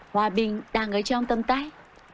hòa bình đang ở trong tâm tay